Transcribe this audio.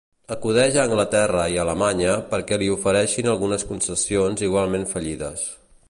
Acudeix a Anglaterra i Alemanya perquè li ofereixin algunes concessions igualment fallides.